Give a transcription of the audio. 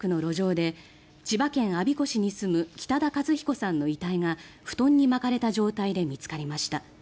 ９日早朝、取手市の墓地の近くで千葉県我孫子市に住む北田和彦さんの遺体が布団に巻かれた状態で見つかりました。